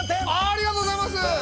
ありがとうございます！